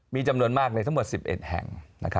มีจำนวนมากเลยทั้งหมด๑๑แห่ง